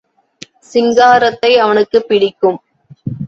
சிங்காரத்தை அவனுக்குப் பிடிக்கும்.